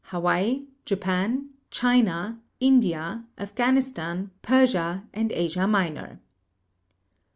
Hawaii, Japan, China, India, Afghanistan, Persia, and Asia Minor.